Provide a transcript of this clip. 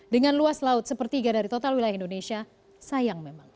dengan luas laut sepertiga dari total wilayah indonesia sayang memang